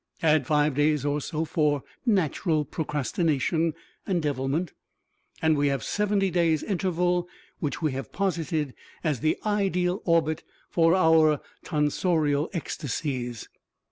Add five days or so for natural procrastination and devilment, and we have seventy days interval, which we have posited as the ideal orbit for our tonsorial ecstasies.